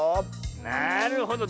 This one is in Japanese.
なるほど。